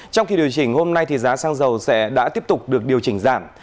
trong kỳ điều chỉnh hôm nay thì giá xăng dầu sẽ đã tiếp tục được điều chỉnh giảm